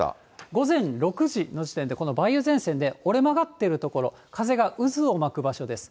午前６時の時点でこの梅雨前線で折れ曲がっている所、風が渦を巻く場所です。